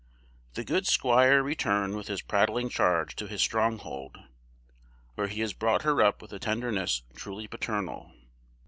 The good squire returned with his prattling charge to his stronghold, where he has brought her up with a tenderness truly paternal.